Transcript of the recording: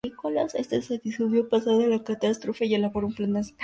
Este no se disolvió pasada la catástrofe y elaboró un Plan Nacional de Emergencias.